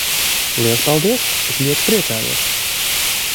Liels paldies! Es ļoti priecājos!